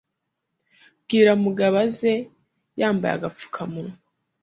Bwira Mugabo aze yambaye agaphukamunywa.